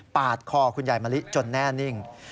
คอคุณยายมะลิจนแน่นิ่ง